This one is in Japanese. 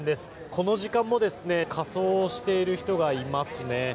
この時間も仮装をしている人がいますね。